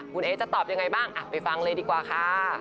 คุณเอ๊จะตอบยังไงบ้างไปฟังเลยดีกว่าค่ะ